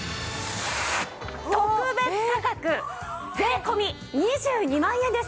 特別価格税込２２万円です。